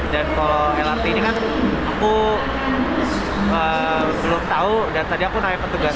dan kalau lrt ini kan aku belum tahu dan tadi aku nanya petugas